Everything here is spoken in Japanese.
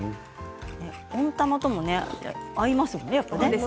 温玉とも合いますよね。